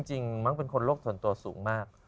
จริงประมาณเป็นคนลูกส่วนตัวสูงมาก